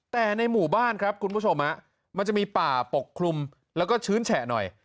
แต่ในหมู่บ้านครับคุณผู้ชมมันจะมีป่าปกคลุมแล้วก็ชื้นแฉะหน่อย